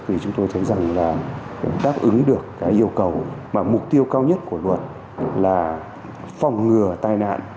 vì chúng tôi thấy rằng là đáp ứng được cái yêu cầu và mục tiêu cao nhất của luật là phòng ngừa tai nạn